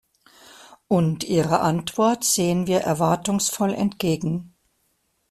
Und Ihrer Antwort sehen wir erwartungsvoll entgegen.